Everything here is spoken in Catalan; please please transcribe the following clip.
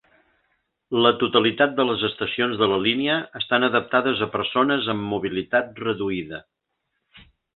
La totalitat de les estacions de la línia estan adaptades a persones amb mobilitat reduïda.